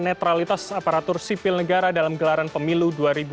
netralitas aparatur sipil negara dalam gelaran pemilu dua ribu dua puluh